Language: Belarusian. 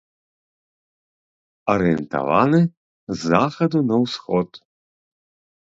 Арыентаваны з захаду на ўсход.